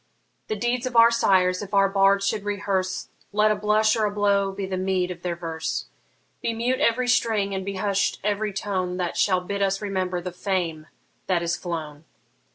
The deeds of our sires if our bards should rehearse, Let a blush or a blow be the meed of their verse! Be mute every string, and be hush'd every tone, That shall bid us remember the fame that is flown.